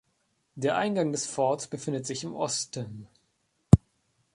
Der Eingang des Forts befindet sich im Osten.